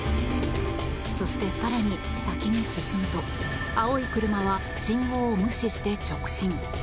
そして、更に先に進むと青い車は信号を無視して直進。